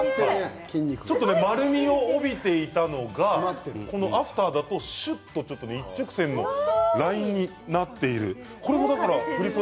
ちょっと丸みを帯びていたのがアクターだとしゅっと一直線のラインになっている。